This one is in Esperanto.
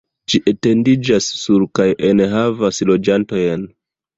Ĝi etendiĝas sur kaj enhavas loĝantojn.